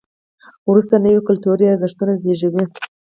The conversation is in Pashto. وروسته نوي کلتوري ارزښتونه زیږېږي.